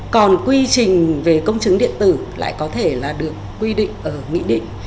còn quy trình về công chứng điện tử lại có thể là được quy định ở nghị định